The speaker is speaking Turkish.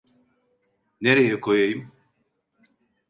Nereye koyayım?